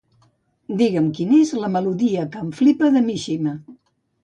Digue'm quina és la melodia que em flipa de Mishima.